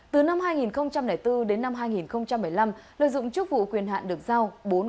từ năm hai nghìn bốn đến năm hai nghìn một mươi năm lợi dụng chức vụ quyền hạn được giao